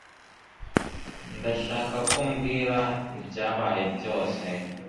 Ndashaka ko umbwira ibyabaye byose.